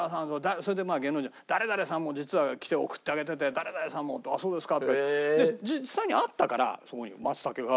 それで芸能人「誰々さんも実は来て送ってあげてて誰々さんも」って「ああそうですか」とか。で実際にあったからそこにマツタケが。